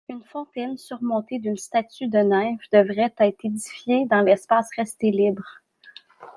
Une fontaine surmontée d'une statue de nymphe devait être édifiée dans l'espace resté libre.